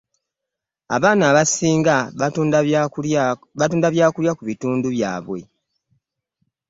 Abaana abasinga batunda byakulya ku bitundu byaabwe.